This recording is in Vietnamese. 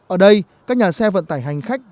ở đây các nhà xe vận tải hành khách